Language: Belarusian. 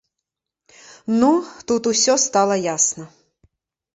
Ну, тут усё стала ясна.